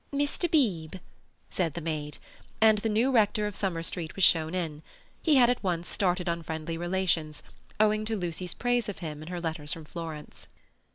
"Mr. Beebe!" said the maid, and the new rector of Summer Street was shown in; he had at once started on friendly relations, owing to Lucy's praise of him in her letters from Florence.